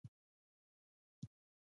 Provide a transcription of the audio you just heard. بهرني پانګوال پانګونې ته زړه ښه کوي.